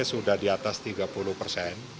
sudah di atas tiga puluh persen